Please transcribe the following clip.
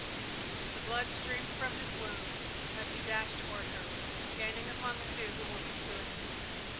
The blood streamed from his wound as he dashed toward her, gaining upon the two who were pursuing him.